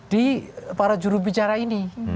di para jurubicara ini